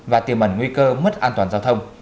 và tiềm ẩn nguy cơ mất an toàn giao thông